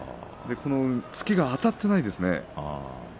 突きがあたっていないですね。